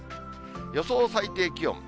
予想最低気温。